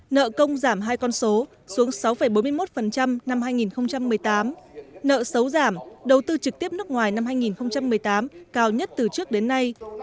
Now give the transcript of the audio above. nợ công giảm hai con số xuống sáu bốn mươi một năm hai nghìn một mươi tám nợ xấu giảm đầu tư trực tiếp nước ngoài năm hai nghìn một mươi tám cao nhất từ trước đến nay